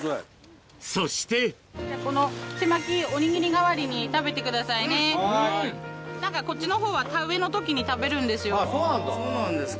そして・ちまきおにぎり代わりに食べてくださいね・・何かこっちの方は田植えの時に食べるんですよ・そうなんですか。